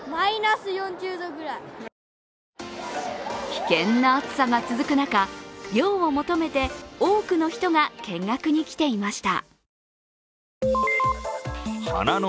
危険な暑さが続く中、涼を求めて多くの人が見学に来ていました。